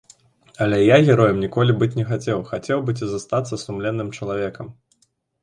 Але я героем ніколі быць не хацеў, хацеў быць і застацца сумленным чалавекам.